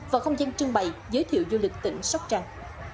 và không gian trưng bày giới thiệu du lịch tỉnh sóc trăng